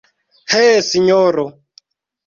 He, sinjoro!